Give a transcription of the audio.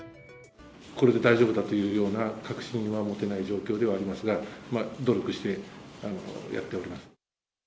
これで大丈夫だというような確信は持てない状況ではありますが、努力してやっております。